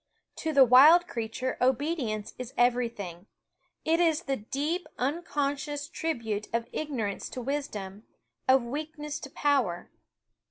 To the wild s creature obedience is everything. It is the /x^~ deep, unconscious tribute of ignorance to wisdom, of weakness to power.